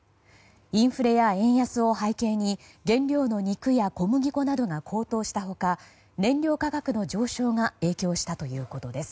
インフレや円安を背景に原料の肉や小麦粉などが高騰した他燃料価格の上昇が影響したということです。